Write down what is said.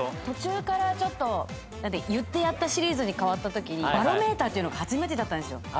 途中からちょっと言ってやったシリーズに変わったときにバロメーターっていうのが初めてだったんですよ。